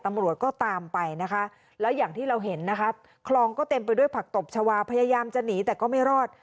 ตำรวจก็ตามไปนะคะแล้วอย่างที่เราเห็นนะคะคลองก็เต็มไปด้วยผักตบชาวาพยายามจะหนีแต่ก็ไม่รอด